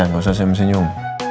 gak usah senyum senyum